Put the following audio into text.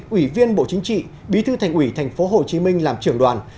ủy viên bộ chính trị bí thư thành ủy tp hcm làm trưởng đoàn